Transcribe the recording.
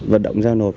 vận động dao nộp